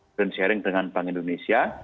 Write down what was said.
strain sharing dengan bank indonesia